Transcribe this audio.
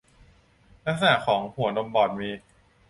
ลักษณะของหัวนมบอดมี